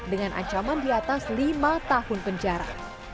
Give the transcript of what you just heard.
dengan ancaman di atas lima tahun penjara